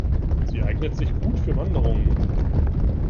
Sie eignet sich gut für Wanderungen.